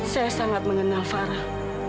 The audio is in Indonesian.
saya sangat mengenal farah